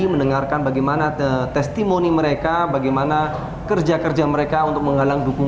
mendengarkan bagaimana testimoni mereka bagaimana kerja kerja mereka untuk menggalang dukungan